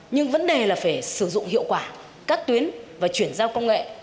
nhưng vấn đề là phải sử dụng hiệu quả các tuyến và chuyển giao công nghệ